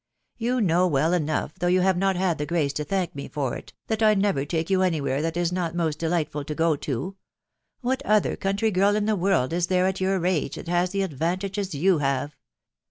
Yon know well enough, though you have not had the grace to thank me for it, that I never take you any where that it is not moat delightful to go to. ••. What other country girl in the world is there at your age that has had the advantages you have